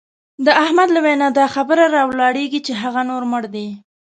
د احمد له وینا دا خبره را ولاړېږي چې هغه نور مړ دی.